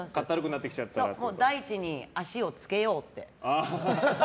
大地に足をつけようって。